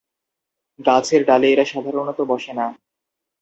গাছের ডালে এরা সাধারণত বসে না।